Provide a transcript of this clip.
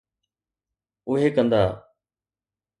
اهي ڪندا.